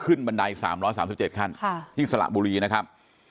บันได๓๓๗ขั้นที่สระบุรีนะครับ